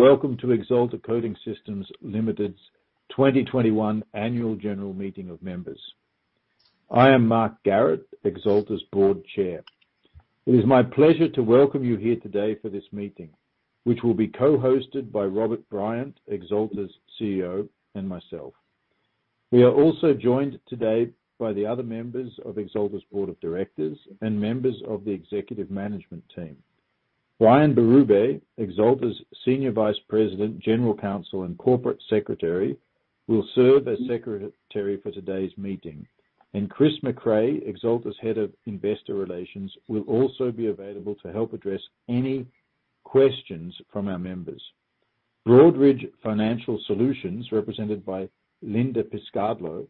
Welcome to Axalta Coating Systems Ltd.'s 2021 Annual General Meeting of Members. I am Mark Garrett, Axalta's Board Chair. It is my pleasure to welcome you here today for this meeting, which will be co-hosted by Robert Bryant, Axalta's CEO, and myself. We are also joined today by the other members of Axalta's Board of Directors and members of the Executive Management Team. Brian Berube, Axalta's Senior Vice President, General Counsel, and Corporate Secretary, will serve as secretary for today's meeting, and Chris Mecray, Axalta's Head of Investor Relations, will also be available to help address any questions from our members. Broadridge Financial Solutions, represented by Linda Pescado,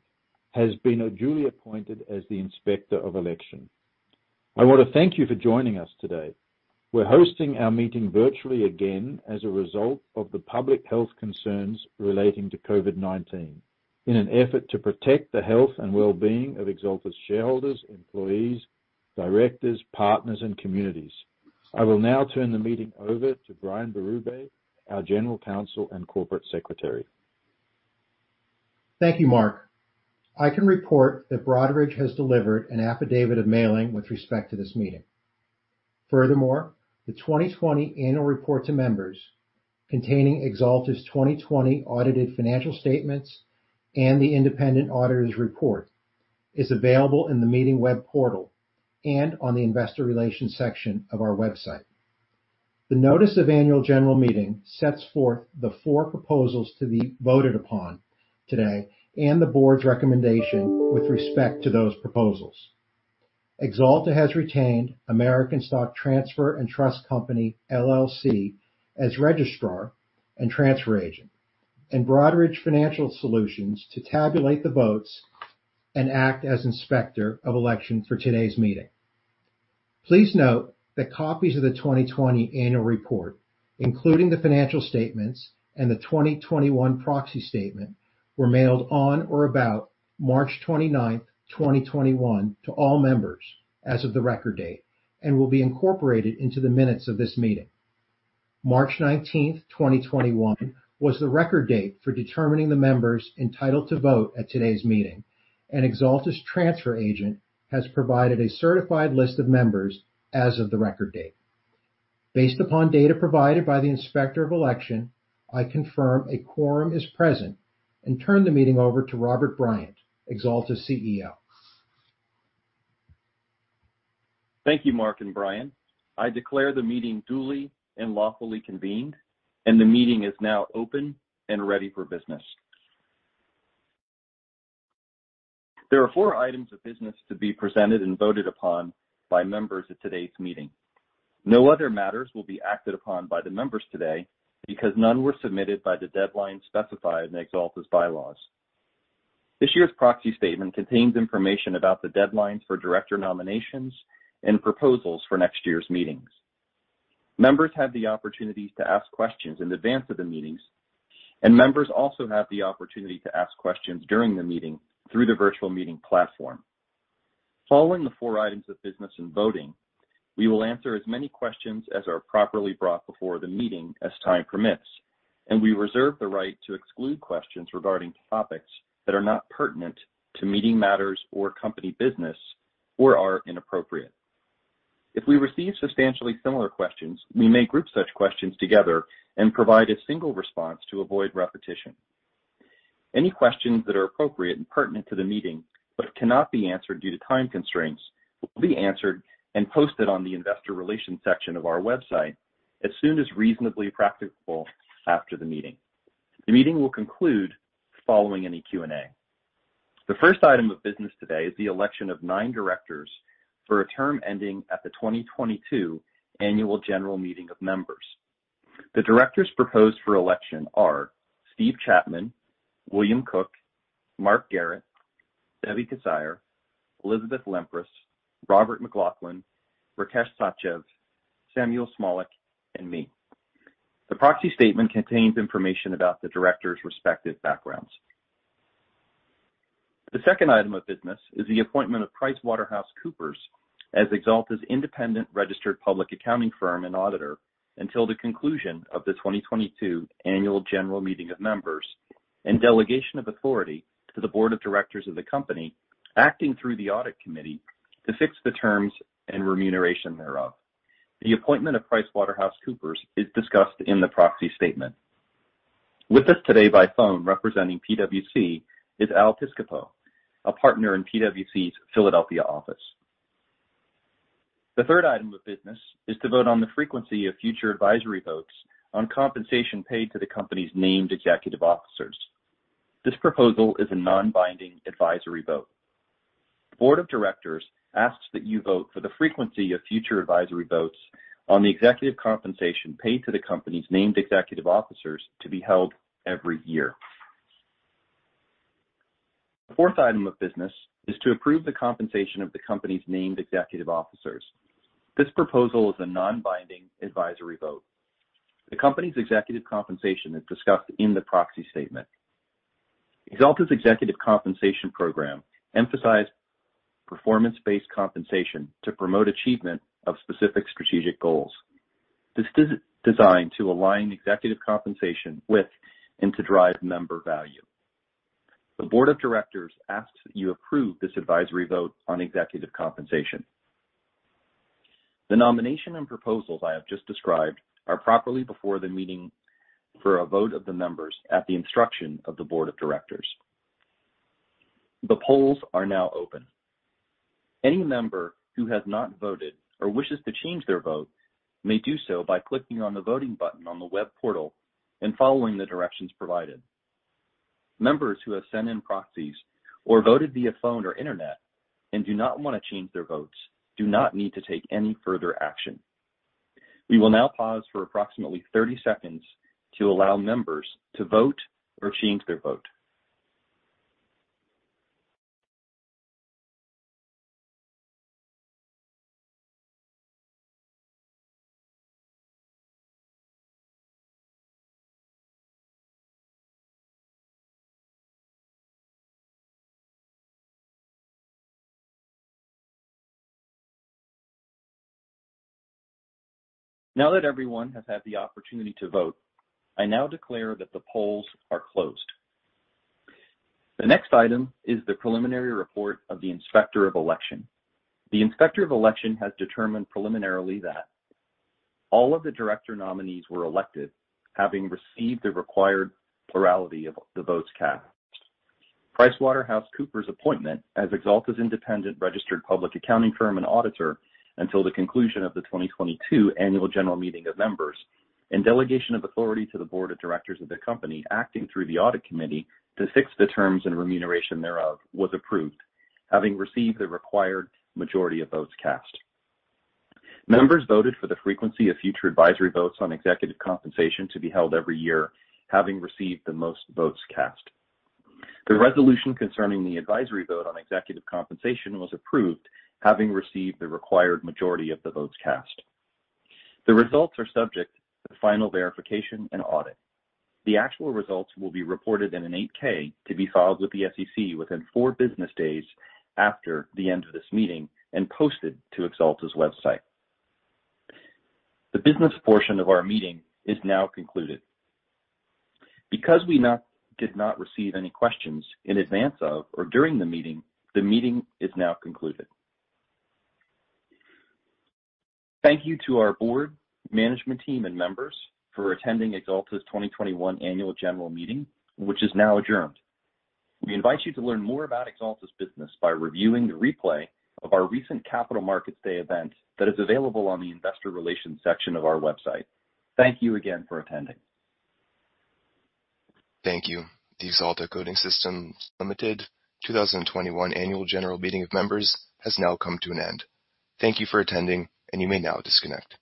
has been duly appointed as the Inspector of Election. I want to thank you for joining us today. We're hosting our meeting virtually again as a result of the public health concerns relating to COVID-19 in an effort to protect the health and well-being of Axalta's shareholders, employees, directors, partners, and communities. I will now turn the meeting over to Brian Berube, our General Counsel and Corporate Secretary. Thank you, Mark. I can report that Broadridge has delivered an affidavit of mailing with respect to this meeting. Furthermore, the 2020 Annual Report to members, containing Axalta's 2020 Audited Financial Statements and the independent auditor's report, is available in the meeting web portal and on the Investor Relations section of our website. The notice of Annual General Meeting sets forth the four proposals to be voted upon today and the Board's recommendation with respect to those proposals. Axalta has retained American Stock Transfer & Trust Company, LLC, as registrar and transfer agent, and Broadridge Financial Solutions to tabulate the votes and act as inspector of election for today's meeting. Please note that copies of the 2020 Annual Report, including the financial statements and the 2021 proxy statement, were mailed on or about March 29th, 2021 to all members as of the record date and will be incorporated into the minutes of this meeting. March 19th, 2021 was the record date for determining the members entitled to vote at today's meeting, and Axalta's transfer agent has provided a certified list of members as of the record date. Based upon data provided by the Inspector of Election, I confirm a quorum is present and turn the meeting over to Robert Bryant, Axalta's CEO. Thank you, Mark and Brian. I declare the meeting duly and lawfully convened, and the meeting is now open and ready for business. There are four items of business to be presented and voted upon by members at today's meeting. No other matters will be acted upon by the members today because none were submitted by the deadline specified in Axalta's bylaws. This year's proxy statement contains information about the deadlines for Director nominations and proposals for next year's meetings. Members have the opportunity to ask questions in advance of the meetings, and members also have the opportunity to ask questions during the meeting through the virtual meeting platform. Following the four items of business and voting, we will answer as many questions as are properly brought before the meeting as time permits, and we reserve the right to exclude questions regarding topics that are not pertinent to meeting matters or company business or are inappropriate. If we receive substantially similar questions, we may group such questions together and provide a single response to avoid repetition. Any questions that are appropriate and pertinent to the meeting but cannot be answered due to time constraints will be answered and posted on the Investor Relations section of our website as soon as reasonably practicable after the meeting. The meeting will conclude following any Q&A. The first item of business today is the election of nine Directors for a term ending at the 2022 Annual General Meeting of members. The directors proposed for election are Steven Chapman, William Cook, Mark Garrett, Debbie Kissire, Elizabeth Lempres, Robert McLaughlin, Rakesh Sachdev, Samuel Smolik, and me. The proxy statement contains information about the Directors' respective backgrounds. The second item of business is the appointment of PricewaterhouseCoopers as Axalta's independent registered public accounting firm and auditor until the conclusion of the 2022 Annual General Meeting of Members and delegation of authority to the Board of Directors of the company, acting through the audit committee, to fix the terms and remuneration thereof. The appointment of PricewaterhouseCoopers is discussed in the proxy statement. With us today by phone representing PwC is Al Piscitello, a partner in PwC's Philadelphia office. The third item of business is to vote on the frequency of future advisory votes on compensation paid to the company's named executive officers. This proposal is a non-binding advisory vote. The Board of Directors asks that you vote for the frequency of future advisory votes on the executive compensation paid to the company's named Executive officers to be held every year. The fourth item of business is to approve the compensation of the company's named Executive officers. This proposal is a non-binding advisory vote. The company's executive compensation is discussed in the proxy statement. Axalta's Executive Compensation Program emphasized performance-based compensation to promote achievement of specific strategic goals. This is designed to align executive compensation with and to drive member value. The Board of Directors asks that you approve this advisory vote on executive compensation. The nomination and proposals I have just described are properly before the meeting for a vote of the members at the instruction of the Board of Directors. The polls are now open. Any member who has not voted or wishes to change their vote may do so by clicking on the voting button on the web portal and following the directions provided. Members who have sent in proxies or voted via phone or internet and do not want to change their votes do not need to take any further action. We will now pause for approximately 30 seconds to allow members to vote or change their vote. Now that everyone has had the opportunity to vote, I now declare that the polls are closed. The next item is the preliminary report of the Inspector of Election. The Inspector of Election has determined preliminarily that all of the director nominees were elected, having received the required plurality of the votes cast. PricewaterhouseCoopers appointment as Axalta's independent registered public accounting firm and auditor until the conclusion of the 2022 Annual General Meeting of members and delegation of authority to the Board of Directors of the company acting through the audit committee to fix the terms and remuneration thereof was approved, having received the required majority of votes cast. Members voted for the frequency of future advisory votes on executive compensation to be held every year, having received the most votes cast. The resolution concerning the advisory vote on executive compensation was approved, having received the required majority of the votes cast. The results are subject to final verification and audit. The actual results will be reported in an 8-K to be filed with the SEC within four business days after the end of this meeting and posted to Axalta's website. The business portion of our meeting is now concluded. Because we did not receive any questions in advance of or during the meeting, the meeting is now concluded. Thank you to our Board, Management team, and members for attending Axalta's 2021 Annual General Meeting, which is now adjourned. We invite you to learn more about Axalta's business by reviewing the replay of our recent Capital Markets Day event that is available on the Investor Relations section of our website. Thank you again for attending. Thank you. The Axalta Coating Systems Ltd. 2021 Annual General Meeting of Members has now come to an end. Thank you for attending, and you may now disconnect.